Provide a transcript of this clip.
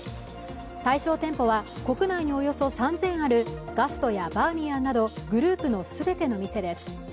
対象店舗は国内におよそ３０００あるガストやバーミヤンなどグループの全ての店です。